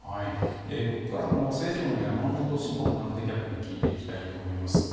ここからも政治部の山本志門官邸キャップに聞いていきます。